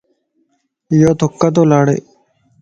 يو ٿُڪ تو لاڙي